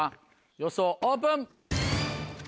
予想オープン。